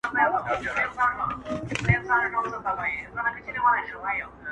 یو نغمه ګره نقاسي کوومه ښه کوومه،